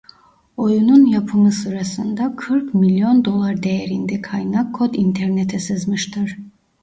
Oyunun yapımı sırasında kırk milyon dolar değerinde kaynak kod internete sızmıştır.